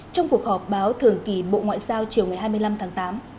trong cuộc họp báo thường kỳ bộ ngoại giao chiều ngày hai mươi năm tháng tám